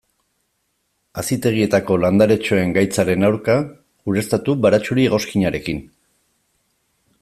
Hazitegietako landaretxoen gaitzaren aurka, ureztatu baratxuri-egoskinarekin.